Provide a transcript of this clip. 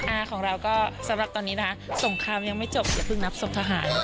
ของเราก็สำหรับตอนนี้นะคะสงครามยังไม่จบอย่าเพิ่งนับศพทหาร